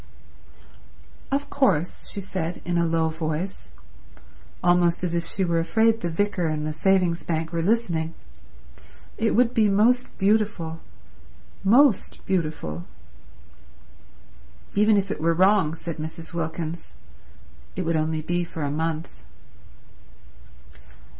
"Of course," she said in a low voice, almost as if she were afraid the vicar and the Savings Bank were listening, "it would be most beautiful—most beautiful—" "Even if it were wrong," said Mrs. Wilkins, "it would only be for a month."